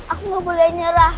aku gak boleh nyerah